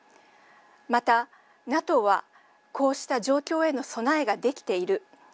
また、ＮＡＴＯは、こうした状況への備えができている。